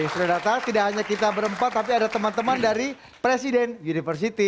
sudah datang tidak hanya kita berempat tapi ada teman teman dari presiden university